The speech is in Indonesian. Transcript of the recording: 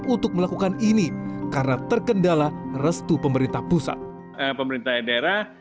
untuk melakukan ini karena terkendala restu pemerintah pusat pemerintah daerah